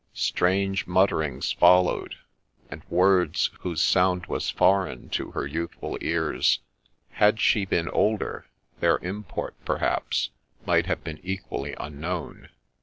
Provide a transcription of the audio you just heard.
Strange mutterings followed, and words whose sound was foreign to her youthful ears. Had she THE LEECH OF FOLKESTONE 75 been older, their import, perhaps, might have been equally un known.